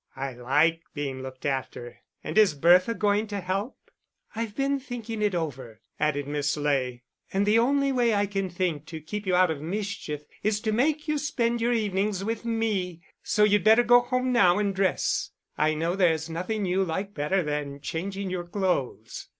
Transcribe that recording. "I like being looked after and is Bertha going to help?" "I've been thinking it over," added Miss Ley. "And the only way I can think to keep you out of mischief is to make you spend your evenings with me. So you'd better go home now and dress. I know there's nothing you like better than changing your clothes."